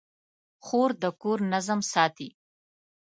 خور د کور نظم ساتي.